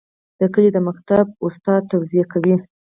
د کلي د مکتب استاد توصیې کوي.